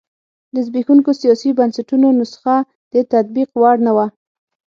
د زبېښونکو سیاسي بنسټونو نسخه د تطبیق وړ نه وه.